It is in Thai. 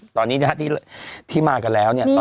ตอนนี้นะฮะที่มากันแล้วเนี่ย